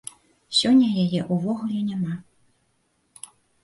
Сёння яе ўвогуле няма.